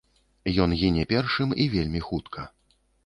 Ён гіне першым і вельмі хутка.